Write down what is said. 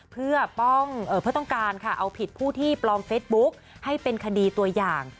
เพื่อต้องการค่ะเอาผิดผู้ที่ปลอมเฟซบุ๊กให้เป็นคดีตัวอย่าง